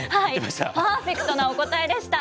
パーフェクトなお答えでした。